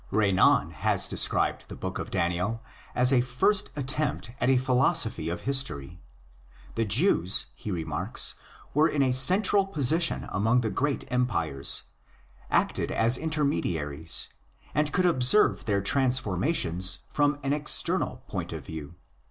Renan has described the Book of Daniel as a first attempt at a philosophy of history. The Jews, he 12 THE ORIGINS OF CHRISTIANITY remarks, were in & central position among the great empires, acted as intermediaries, and could observe their transformations from an external point of view.